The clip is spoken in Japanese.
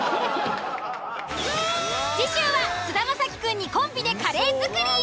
次週は菅田将暉くんにコンビでカレー作り。